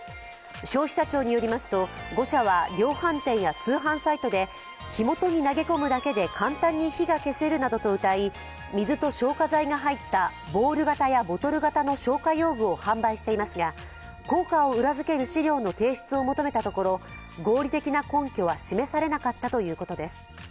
消費者庁によりますと、５社は量販店や通販サイトで火元に投げ込むだけで簡単に火が消せるなどとうたい水と消火剤が入ったボール型やボトル型の消火用具を販売していますが、効果を裏付ける資料の提出を求めたところ、合理的な根拠は示されなかったということです。